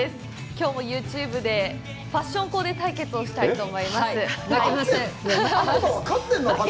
きょうもユーチューブでファッションコーデ対決をしたいと思います。